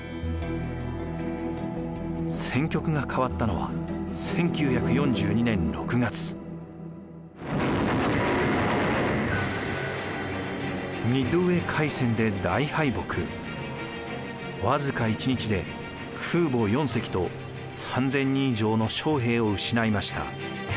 戦局が変わったのは僅か１日で空母４隻と３，０００人以上の将兵を失いました。